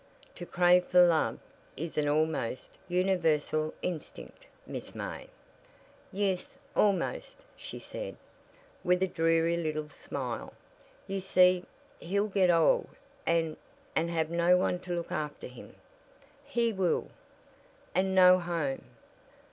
"To crave for love is an almost universal instinct, Miss May." "Yes, almost," she said, with a dreary little smile. "You see, he'll get old, and and have no one to look after him." "He will." "And no home."